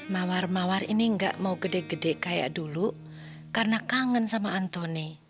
mawar mawar ini gak mau gede gede kayak dulu karena kangen sama anthony